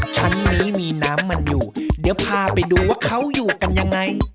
ชั้นนี้มีน้ำมันอยู่เดี๋ยวพาไปดูว่าเขาอยู่กันยังไง